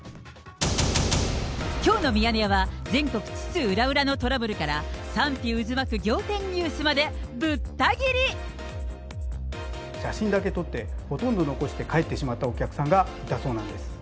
きょうのミヤネ屋は、全国津々浦々のトラブルから賛否渦巻く仰天ニュースまで、写真だけ撮って、ほとんど残して帰ってしまったお客さんがいたそうなんです。